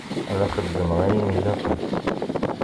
La xeddmeɣ ayen ilaqen.